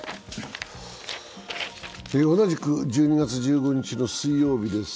同じく１２月１５日の水曜日です。